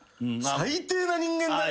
「最低な人間だね」